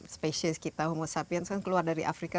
spesies kita homo sapience kan keluar dari afrika